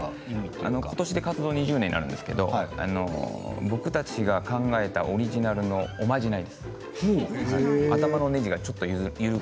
ことしで活動２０周年なんですが僕たちが考えた、オリジナルのおまじないです。